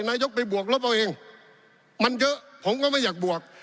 นายกไปบวกลบเอาเองมันเยอะผมก็ไม่อยากบวก